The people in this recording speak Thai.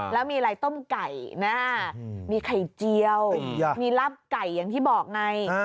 แล้วมีอะไรต้มไก่ไก่เจียวลาบไก่อย่างที่บอกตอนไหน